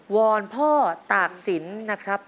วอนพ่อตากสินนะครับ